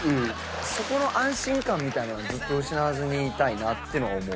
そこの安心感みたいなのはずっと失わずにいたいなっていうのは思う。